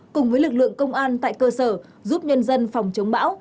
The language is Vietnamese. cùng với lực lượng công an tại cơ sở giúp nhân dân phòng chống bão